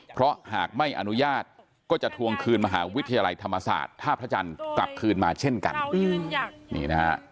เพราะหากไม่อนุญาตก็จะทวงคืนมหาวิทยาลัยธรรมศาสตร์ท่าพระจันทร์กลับคืนมาเช่นกัน